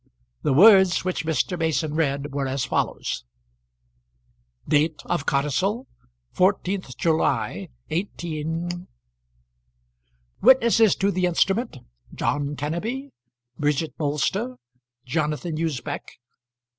The words which Mr. Mason read were as follows: Date of codicil. 14th July 18 . Witnesses to the instrument. John Kenneby; Bridget Bolster; Jonathan Usbech.